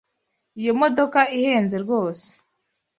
Iyo modoka ihenze rwose.